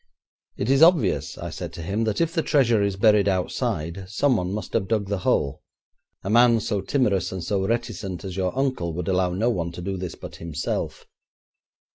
'It is obvious,' I said to him, 'that if the treasure is buried outside, someone must have dug the hole. A man so timorous and so reticent as your uncle would allow no one to do this but himself.